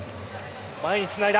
前につないだ。